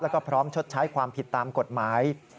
แล้วก็พร้อมชดใช้ความผิดตามกฎหมาย